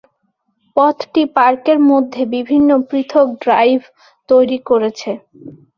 পথটি পার্কের মধ্যে বিভিন্ন পৃথক ড্রাইভ তৈরি করেছে।